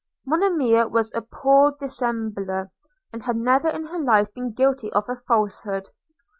Monimia was a poor dissembler, and had never in her life been guilty of a falsehood.